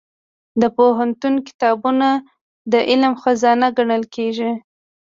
د پوهنتون کتابتون د علم خزانه ګڼل کېږي.